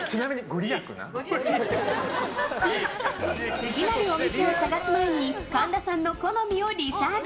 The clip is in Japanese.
次なるお店を探す前に神田さんの好みをリサーチ。